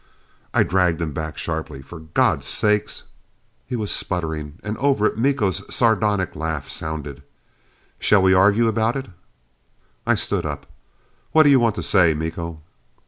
I dragged him back sharply. "For God's sake " He was spluttering; and over it Miko's sardonic laugh sounded. "Shall we argue about it?" I stood up. "What do you want to say, Miko?"